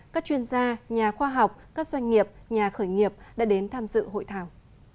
các chuyên gia nhà khoa học các doanh nghiệp nhà khởi nghiệp đã đến tham dự hội thảo